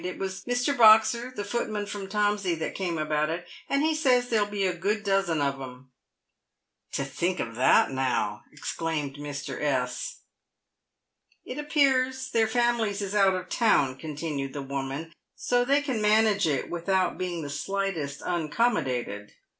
It was Mr. Boxer, the footman from Tomsey, that came about it, and he says there'll be a good dozen of 'em." "To think of that, now !" exclaimed Mr. S. " It appears their families is out of town," continued the woman, " so they can manage it without being the slightest uncommodated.